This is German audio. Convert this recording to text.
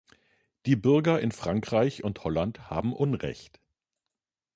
Die Bürger in Frankreich und Holland haben Unrecht.